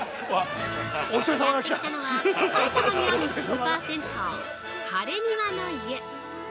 やってきたのは埼玉にあるスーパー銭湯、ハレニワの湯！